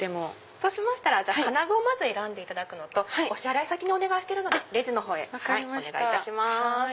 そうしましたら金具をまず選んでいただくのとお支払い先にお願いしてるのでレジのほうへお願いいたします。